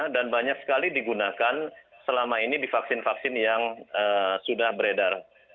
dan banyak sekali digunakan selama ini di vaksin vaksin yang sudah beredar